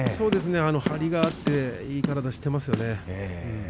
張りがあっていい体をしていますよね。